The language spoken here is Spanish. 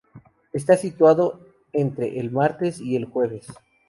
Está situado entre el martes y el jueves.